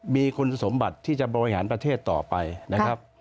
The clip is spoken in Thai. มีคุณสมบัติที่จะบริหารประเทศต่อไปนะครับ